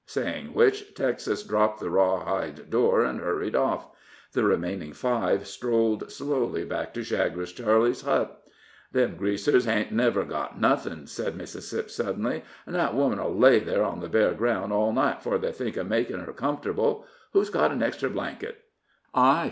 Saying which, Texas dropped the raw hide door, and hurried off. The remaining five strolled slowly back to Chagres Charley's hut. "Them Greasers hain't never got nothin'," said Mississip, suddenly; "an' that woman'll lay thar on the bare ground all night 'fore they think of makin' her comfortable. Who's got an extra blanket?" "I!"